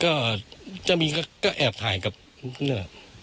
ก็จะมีก็แอบถ่ายกับนี่แหละ